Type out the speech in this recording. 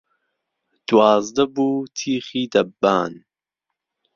دوازدە بو تیخی دەببان